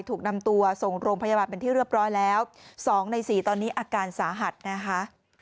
ถูกนำตัวส่งโรงพยาบาลเป็นที่เรียบร้อยแล้วสองในสี่ตอนนี้อาการสาหัสนะคะ